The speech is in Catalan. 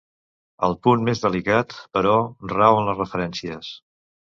El punt més delicat, però, rau en les referències.